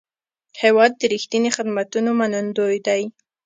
هېواد د رښتیني خدمتونو منندوی دی.